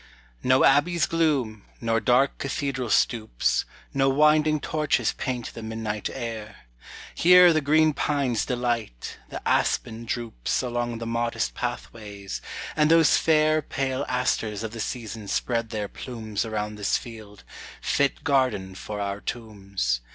No abbey's gloom, nor dark cathedral stoops, No winding torches paint the midnight air; Here the green pines delight, the aspen droops Along the modest pathways, and those fair Pale asters of the season spread their plumes Around this field, fit garden for our tombs.